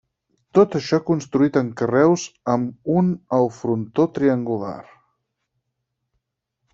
Tot això construït en carreus amb un el frontó triangular.